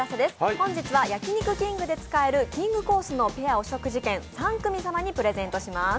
本日は焼肉きんぐで使えるきんぐコースのペア汚職事件３組様にプレゼントします。